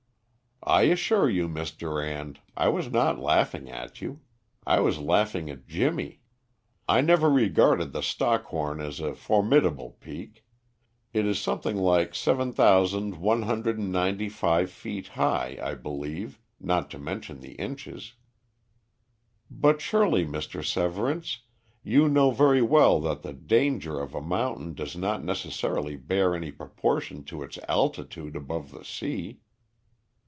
"I assure you, Miss Durand, I was not laughing at you. I was laughing at Jimmy. I never regarded the Stockhorn as a formidable peak. It is something like 7,195 feet high, I believe, not to mention the inches." "But surely, Mr. Severance, you know very well that the danger of a mountain does not necessarily bear any proportion to its altitude above the sea."